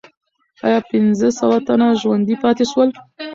آیا پنځه سوه تنه ژوندي پاتې سول؟